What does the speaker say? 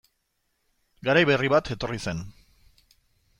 Garai berri bat etorri zen...